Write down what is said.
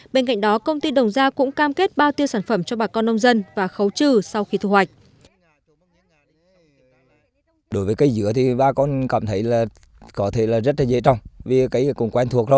bên cạnh đó công ty đồng gia cũng cam kết bao tiêu sản phẩm cho bà con nông dân và khấu trừ sau khi thu hoạch